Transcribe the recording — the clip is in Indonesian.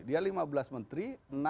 dia lima belas menteri